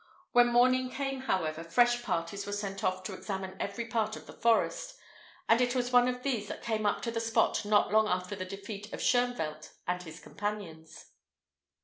When morning came, however, fresh parties were sent off to examine every part of the forest, and it was one of these that came up to the spot not long after the defeat of Shoenvelt and his companions.